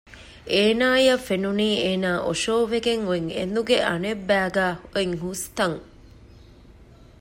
އޭނާއަށް ފެނުނީ އޭނާ އޮށޯވެގެން އޮތް އެނދުގެ އަނެއްބައިގައި އޮތް ހުސްތަން